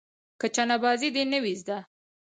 که چنه بازي دې نه وي زده.